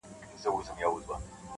اوس مو خاندي غلیمان پر شړۍ ورو ورو-